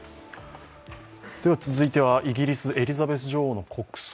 続いては、イギリス・エリザベス女王の国葬。